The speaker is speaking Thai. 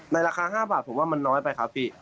ราคา๕บาทผมว่ามันน้อยไปครับพี่